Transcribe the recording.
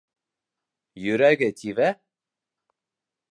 Йөрәге тибә?